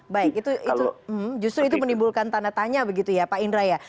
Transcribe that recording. baik itu justru itu menimbulkan tanda tanya begitu ya pak indra ya